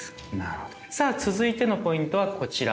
続いてのポイントはこちら。